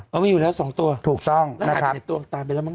มันไม่อยู่แล้ว๒ตัวแล้วหายไปไหนตัวตายไปแล้วมั้ง